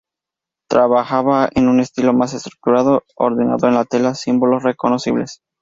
Trabajaba en un estilo más estructurado, ordenando en la tela símbolos reconocibles.